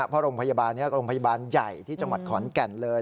เพราะโรงพยาบาลนี้โรงพยาบาลใหญ่ที่จังหวัดขอนแก่นเลย